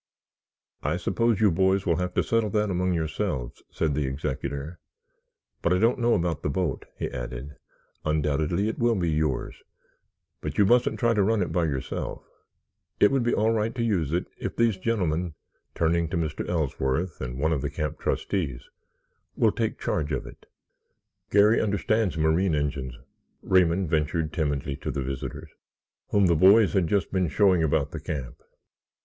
"I suppose you boys will have to settle that among yourselves," said the executor; "but I don't know about the boat," he added. "Undoubtedly it will be yours, but you mustn't try to run it by yourself. It would be all right to use it if these gentlemen (turning to Mr. Ellsworth and one of the camp trustees) will take charge of it." "Garry understands marine engines," Raymond ventured timidly to the visitors, whom the boys had just been showing about the camp.